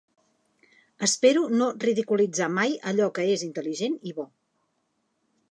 Espero no ridiculitzar mai allò que és intel·ligent i bo.